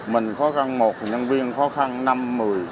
mình khó khăn một nhân viên khó khăn năm mười